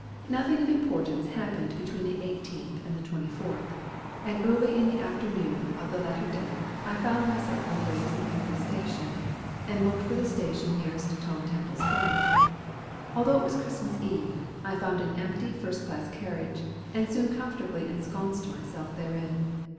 Nothing of importance happened between the 18th and the 24th, and early in the afternoon of the latter date I found my way to St. Pancras Station, and booked for the station nearest Tom Temple's home. Although it was Christmas Eve, I found an empty first class carriage, and soon comfortably ensconced myself therein.